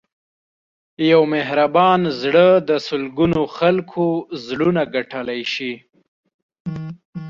یو مهربان زړه د سلګونو خلکو زړونه ګټلی شي.